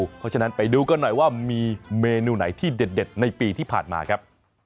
เพราะฉะนั้นไปดูกันหน่อยว่ามีเมนูไหนที่เด็ดในปีที่ผ่านมาครับ